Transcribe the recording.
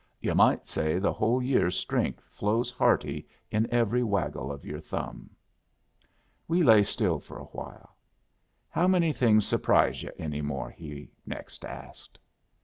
"Yu' might say the whole year's strength flows hearty in every waggle of your thumb." We lay still for a while. "How many things surprise yu' any more?" he next asked.